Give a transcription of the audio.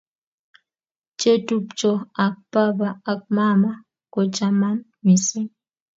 chetupcho ak baba ak mama kochaman mising